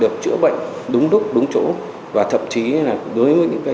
được chữa bệnh đúng lúc đúng chỗ và thậm chí là đối với những cái chế phẩm